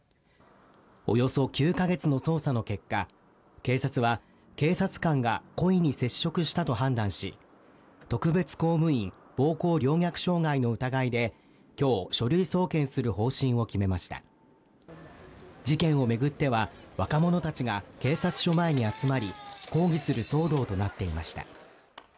およそ９か月の捜査の結果警察は警察官が故意に接触したと判断し特別公務員暴行陵虐傷害の疑いで今日書類送検する方針を決めました事件をめぐっては若者たちが警察署前に集まり抗議する騒動となっていました